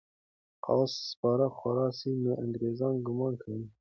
که آس سپاره خواره سي، نو انګریزان ګمان کوي.